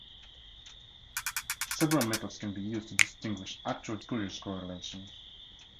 Several methods can be used to distinguish actual differential effects from spurious correlations.